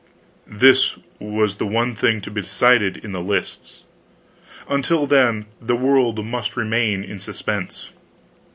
This was the one thing to be decided in the lists. Until then the world must remain in suspense.